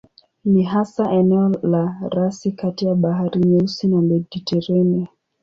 Ni hasa eneo la rasi kati ya Bahari Nyeusi na Mediteranea.